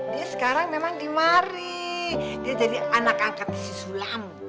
dia sekarang memang dimari dia jadi anak angkat si sulam